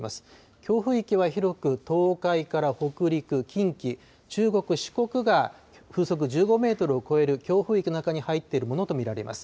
強風域は広く、東海から北陸、近畿、中国、四国が風速１５メートルを超える強風域に中に入っているものと見られます。